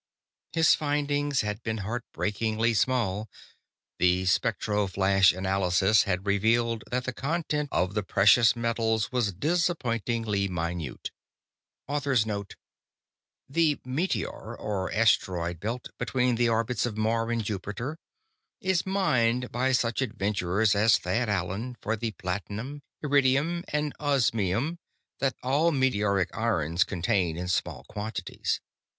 His findings had been heart breakingly small; the spectro flash analysis had revealed that the content of the precious metals was disappointingly minute. [Footnote 1: The meteor or asteroid belt, between the orbits of Mars and Jupiter, is "mined" by such adventurers as Thad Allen for the platinum, iridium and osmium that all meteoric irons contain in small quantities.